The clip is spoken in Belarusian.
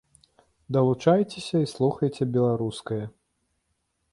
Далучайцеся і слухайце беларускае!